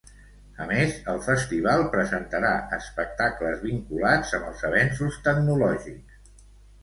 A més, el festival presentarà espectacles vinculats amb els avenços tecnològics.